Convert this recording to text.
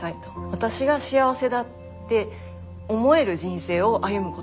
私が幸せだって思える人生を歩むこと。